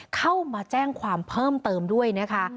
เข้ามาแจ้งความเพิ่มเติมด้วยนะคะ